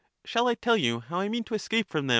Shall I tell you how I mean to escape from them